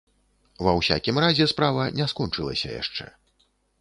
Ва ўсякім разе справа не скончылася яшчэ.